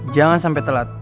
jangan sampe telat